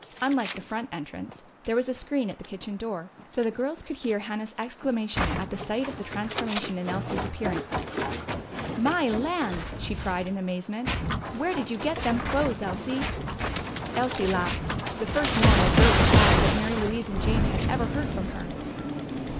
Unlike the front entrance, there was a screen at the kitchen door, so the girls could hear Hannah's exclamation at the sight of the transformation in Elsie's appearance. "My land!" she cried in amazement. "Where did you get them clothes, Elsie?" Elsie laughed; the first normal, girlish laugh that Mary Louise and Jane had ever heard from her.